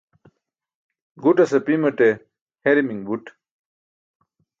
Guṭas apimaṭe herimiṅ buṭ